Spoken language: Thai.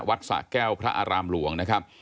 สะแก้วพระอารามหลวงนะครับ